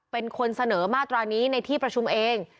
เป็นคนเสนอมาตรานี้ในที่ประชุมเอง